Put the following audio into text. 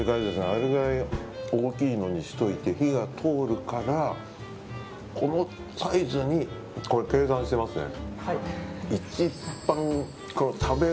あれぐらい大きいのにしておいて火が通るから、このサイズに計算していますね。